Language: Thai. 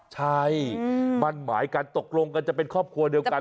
ใช่มั่นหมายกันตกลงกันจะเป็นครอบครัวเดียวกัน